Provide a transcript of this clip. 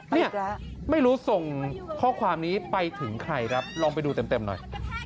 เนี่ยไม่รู้ส่งข้อความนี้ไปถึงใครครับลองไปดูเต็มหน่อย